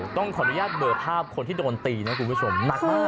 ต้องขออนุญาตเบอร์ภาพคนที่โดนตีนะคุณผู้ชมหนักมาก